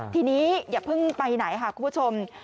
ทีนี้อย่าเพิ่งไปไหนค่ะคุณผู้ชม